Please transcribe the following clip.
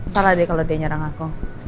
salah deh kalau dia nyerang aku